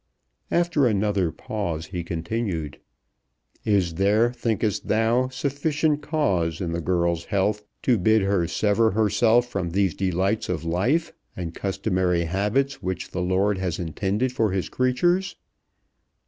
After another pause he continued; "Is there, thinkest thou, sufficient cause in the girl's health to bid her sever herself from these delights of life and customary habits which the Lord has intended for His creatures?"